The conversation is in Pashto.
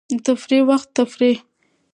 د تفریح وخت تفریح.